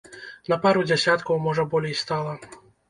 На пару дзясяткаў, можа, болей стала.